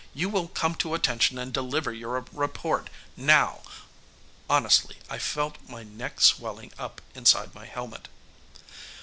"You will come to attention and deliver your report. Now!" Honestly, I felt my neck swelling up inside my helmet.